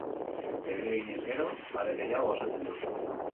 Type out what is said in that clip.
Euria eginez gero, are gehiago gozatzen du.